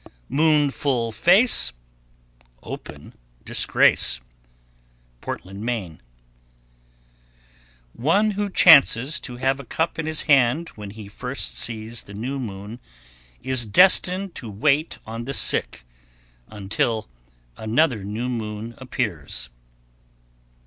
Moon full face, Open disgrace. Portland, Me. 1109. One who chances to have a cup in his hand when he first sees the new moon is destined to wait on the sick until another new moon appears.